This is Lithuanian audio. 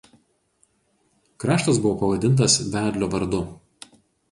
Kraštas buvo pavadintas vedlio vardu.